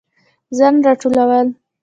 ځان راټولول